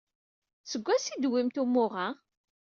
Seg wansi ay d-tewwimt umuɣ-a?